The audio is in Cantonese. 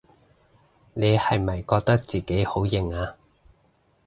你係咪覺得自己好型吖？